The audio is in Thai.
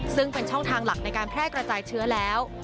ซึ่งเป็นช่องทางหลักในการแพร่กระจายเชื้อแล้ว